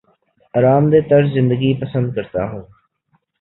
آرام دہ طرز زندگی پسند کرتا ہوں